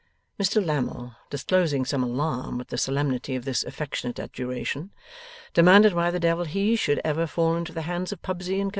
Mr Lammle, disclosing some alarm at the solemnity of this affectionate adjuration, demanded why the devil he ever should fall into the hands of Pubsey and Co.?